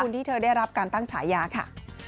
ที่เธอได้รับการตั้งฉายาค่ะ